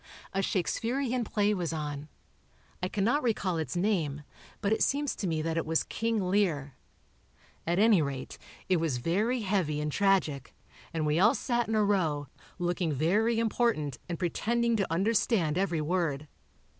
A Shakesperian play was on; I cannot recall its name, but it seems to me that it was "King Lear." At any rate, it was very heavy and tragic, and we all sat in a row, looking very important and pretending to understand every word.